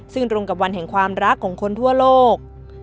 ซึ่งตรงกับวันแห่งความรักของคนทั่วโลก